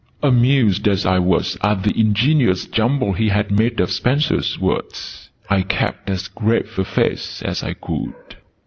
Amused as I was at the ingenious jumble he had made of Spencer's words, I kept as grave a face as I could.